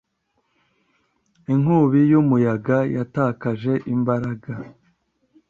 Inkubi y'umuyaga yatakaje imbaraga.